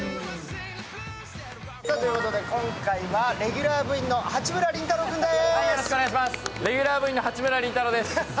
今回はレギュラー部員の八村倫太郎君です。